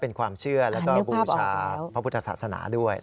เป็นความเชื่อแล้วก็บูชาพระพุทธศาสนาด้วย